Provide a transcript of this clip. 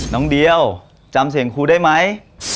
น้องเดียวจำเสียงครูได้ไหม